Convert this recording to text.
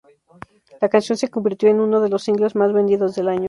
La canción se convirtió en uno de los singles más vendidos del año.